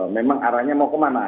memang arahnya mau kemana